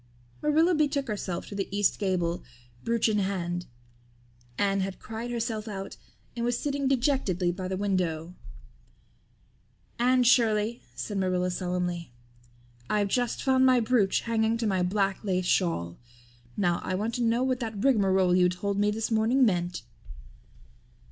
Marilla betook herself to the east gable, brooch in hand. Anne had cried herself out and was sitting dejectedly by the window. "Anne Shirley," said Marilla solemnly, "I've just found my brooch hanging to my black lace shawl. Now I want to know what that rigmarole you told me this morning meant."